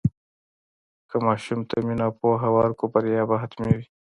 که ماشوم ته مینه او پوهه ورکړو، بریا به حتمي وي.